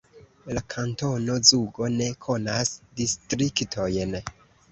La kantono Zugo ne konas distriktojn.